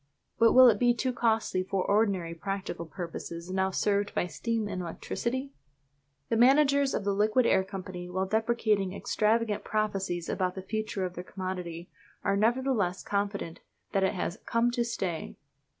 But will it be too costly for ordinary practical purposes now served by steam and electricity? The managers of the Liquid Air Company, while deprecating extravagant prophecies about the future of their commodity, are nevertheless confident that it has "come to stay."